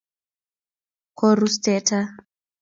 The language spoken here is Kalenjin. korus teta